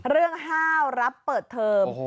เรื่องฮาวรับเปิดเทิม